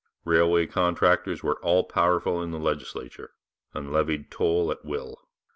Railway contractors were all powerful in the legislature, and levied toll at will.